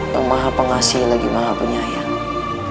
yang maha pengasih lagi maha penyayang